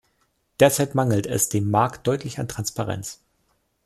Derzeit mangelt es dem Markt deutlich an Transparenz.